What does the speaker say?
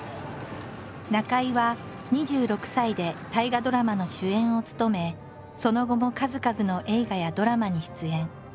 中井は２６歳で大河ドラマの主演を務めその後も数々の映画やドラマに出演。